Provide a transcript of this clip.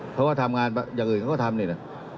เขาก็ทำงานอย่างอื่นก็ทำเนี่ย